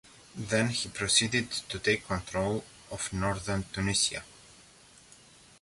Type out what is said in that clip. Then he proceeded to take control of northern Tunisia.